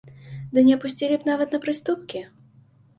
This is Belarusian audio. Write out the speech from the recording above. Ды не пусцілі б нават на прыступкі!